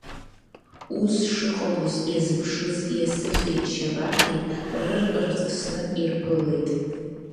Ус шыҟалоз иазыԥшыз Иасыфи Шьабаҭи рыр рҵысны ирԥылеит.